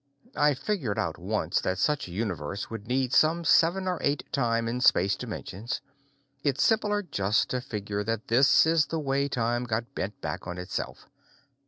I figured out once that such a universe would need some seven or eight time and space dimensions. It's simpler just to figure that this is the way time got bent back on itself.